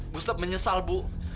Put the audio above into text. bu slap menyesal bu